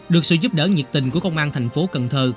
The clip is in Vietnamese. được sự giúp đỡ nhiệt tình của công an thành phố cần thơ